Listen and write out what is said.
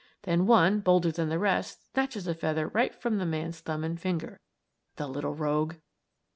Then one, bolder than the rest, snatches a feather right from the man's thumb and finger. The little rogue!